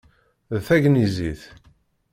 D tagnizit.